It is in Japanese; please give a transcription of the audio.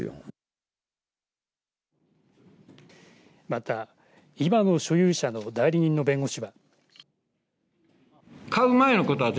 また、今の所有者の代理人の弁護士は。